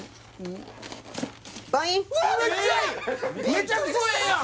めちゃくちゃええやん！